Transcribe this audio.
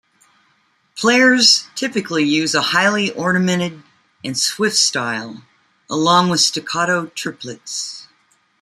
Players typically use a highly ornamented and swift style, along with staccato triplets.